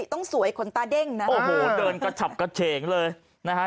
ต้องสวยขนตาเด้งนะโอ้โหเดินกระฉับกระเฉงเลยนะฮะ